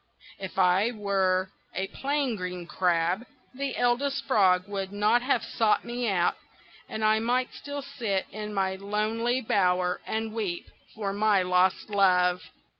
If I were a plain green crab the Eldest Frog would not have sought me out, and I might still sit in my lonely bower and weep for my lost love."